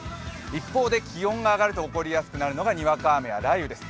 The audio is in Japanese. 一方で気温が上がると起こりやすいのがにわか雨や雷雨です。